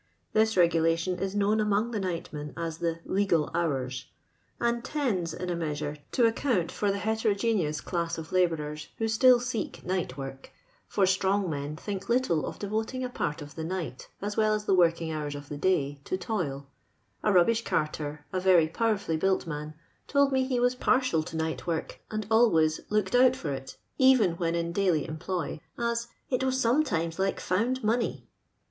Tliis regulatimi is known among the nightmen as the " legjl hours," and tends, in a measure, to acsount for the heterogeneous class of luhourers wli j still seek nightwork; for strong men think little of devoting a port of the night, as well&« Uio working hours of tlie day, to toiL A rub bish carter, a very powerfuUj' buUt man. toll mo ho was partial to nightwork, and a!wA>> looked out for it, even when in diaily emplor, as *' it was sometimes like found money."